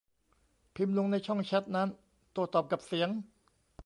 พิมพ์ลงในช่องแชตนั้น โต้ตอบกับเสียง